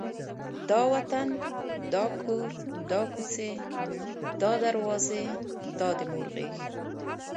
دا وطن، دا کور، دا کوڅې، دا دروازې، دا د مور غېږ،